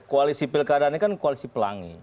koalisi pil keadaannya kan koalisi pelangi